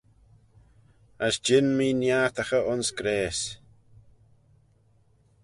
As jean mee niartaghey ayns grayse.